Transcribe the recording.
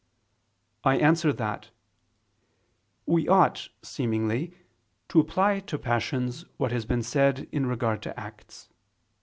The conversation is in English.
I answer that, We ought, seemingly, to apply to passions what has been said in regard to acts (Q.